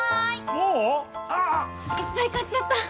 もう⁉ああ・・・いっぱい買っちゃった！